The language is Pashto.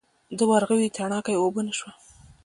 د ورغوي تڼاکه یې اوبه نه شوه.